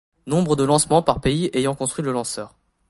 Nombre de lancements par pays ayant construit le lanceur.